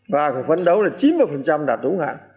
và phải phấn đấu là chín mươi đạt đúng hạn